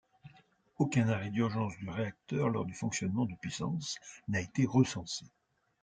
Aucun arrêt d’urgence du réacteur lors du fonctionnement de puissance n’a été recensé.